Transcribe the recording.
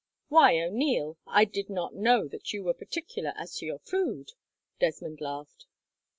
"Why, O'Neil, I did not know that you were particular as to your food," Desmond laughed.